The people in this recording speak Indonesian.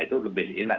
itu lebih enak